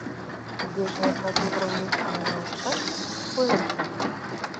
— Тугеже, эрла тувырым мушкын налшаш, — ойлат вате-влак.